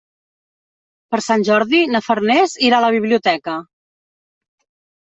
Per Sant Jordi na Farners irà a la biblioteca.